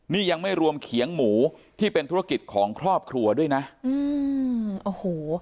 นี่ยังไม่รวมเขียงหมูที่เป็นธุรกิจของครอบครัวด้วยนะอืมโอ้โห